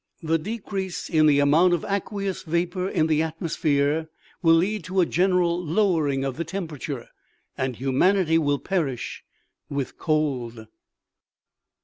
The decrease in the amount of aqueous vapor in the atmosphere will lead to a general lowering of the tem perature, and humanity will perish with cold.